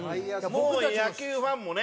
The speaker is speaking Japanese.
もう野球ファンもね